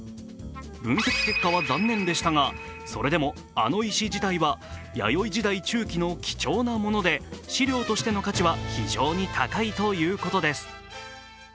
分析結果は残念でしたがそれでもあの石自体は弥生時代中期の貴重なもので史料としての価値は非常に高いということです。